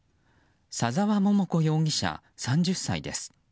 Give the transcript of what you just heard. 左沢桃子容疑者、３０歳です。